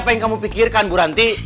apa yang kamu pikirkan bu ranti